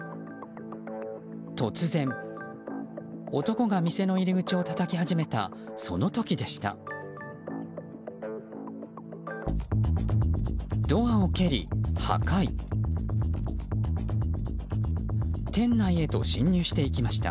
突然、男が店の入り口をたたき始めたその時でした。